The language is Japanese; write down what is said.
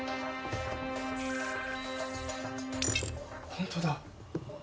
本当だ！